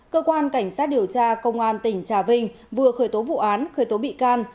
cơ quan cảnh sát điều tra công an tỉnh trà vinh vừa khởi tố vụ án khởi tố bị can